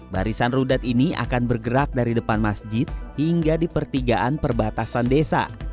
barisan rudat ini akan bergerak dari depan masjid hingga di pertigaan perbatasan desa